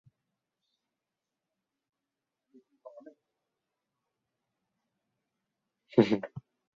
热固性塑料的分子量一般假设是无限大。